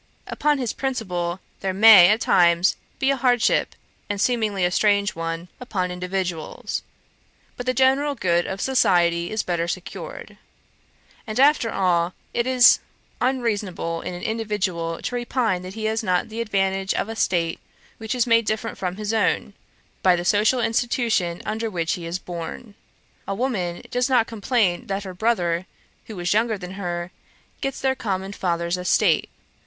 Upon his principle there may, at times, be a hardship, and seemingly a strange one, upon individuals; but the general good of society is better secured. And, after all, it is unreasonable in an individual to repine that he has not the advantage of a state which is made different from his own, by the social institution under which he is born. A woman does not complain that her brother, who is younger than her, gets their common father's estate.